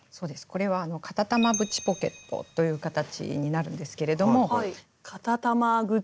これは「片玉縁ポケット」という形になるんですけれども。